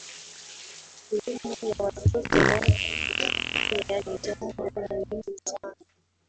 elimu ya mtoto wake pia ni jambo muhimu sana